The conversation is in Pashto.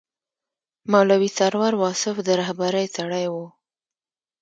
مولوي سرور واصف د رهبرۍ سړی و.